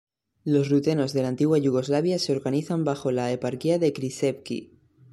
Los rutenos de la antigua Yugoslavia se organizan bajo la Eparquía de Križevci.